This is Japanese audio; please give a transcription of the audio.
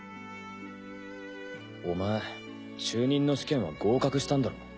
お前中忍の試験は合格したんだろ？